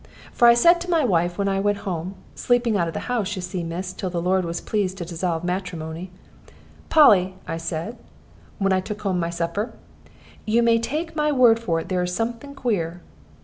For I said to my wife when I went home sleeping out of the house, you see, miss, till the Lord was pleased to dissolve matrimony 'Polly,' I said, when I took home my supper, 'you may take my word for it there is something queer.'